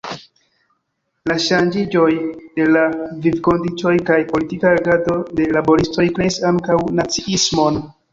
La ŝanĝiĝoj de la vivkondiĉoj kaj politika agado de laboristoj kreis ankaŭ naciismon.